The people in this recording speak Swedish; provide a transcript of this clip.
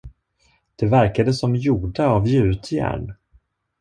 De verkade som gjorda av gjutjärn.